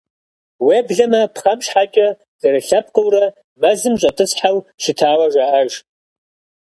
Уеблэмэ, пхъэм щхьэкӏэ зэрылъэпкъыурэ мэзым щӏэтӏысхьэу щытауэ жаӏэж.